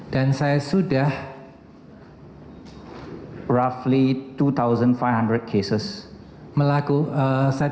dan saya telah melakukan pemeriksaan pasca kematian